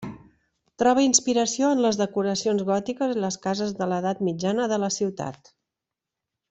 Troba inspiració en les decoracions gòtiques i les cases de l'edat mitjana de la ciutat.